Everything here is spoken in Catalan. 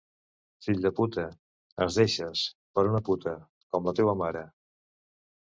Fill de puta, ens deixes, per una puta, com la teua mare...